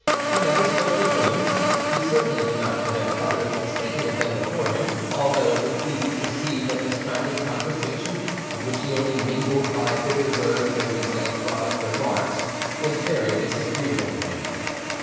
He never spoke of women. He certainly did not prevent others from speaking of them before him, although it was easy to perceive that this kind of conversation, in which he only mingled by bitter words and misanthropic remarks, was very disagreeable to him.